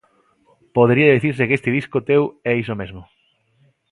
Podería dicirse que este disco teu é iso mesmo.